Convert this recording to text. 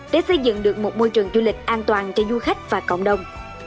để xây dựng được một môi trường du lịch an toàn cho du khách và cộng đồng